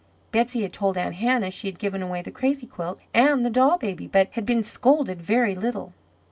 Betsey had told Aunt Hannah she had given away the crazy quilt and the doll baby, but had been scolded very little.